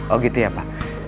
oh gitu ya pak